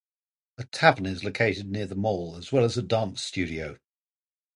A tavern is located near the mall, as well as a dance studio.